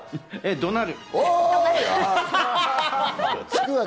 どなる。